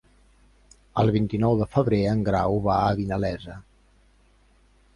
El vint-i-nou de febrer en Grau va a Vinalesa.